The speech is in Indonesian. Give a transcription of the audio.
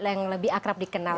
yang lebih akrab dikenal